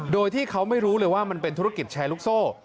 โดยที่เขาไม่รู้เลยว่ามันเป็นธุรกิจแชร์ลูกโซ่